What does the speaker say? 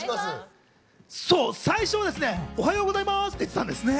そう、最初はですね、おはようございます！って、言ってたんですね。